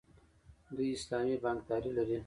دوی اسلامي بانکداري لري.